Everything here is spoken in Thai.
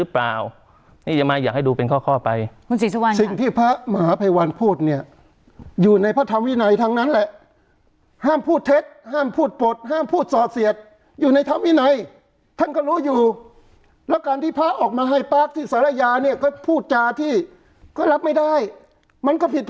พระพุทธห้ามพูดสอดเสียดอยู่ในธรรมวินัยท่านก็รู้อยู่แล้วการที่พระออกมาให้ปากที่สรายาเนี่ยก็พูดจาที่ก็รับไม่ได้มันก็ผิด